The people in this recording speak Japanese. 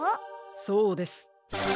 そうです。